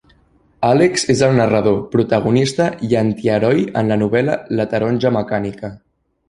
Alex és el narrador, protagonista i antiheroi en la novel·la "La taronja mecànica".